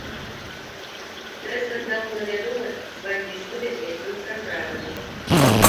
Дрэздэн даўно вядомы сваімі сувязямі з ультраправымі.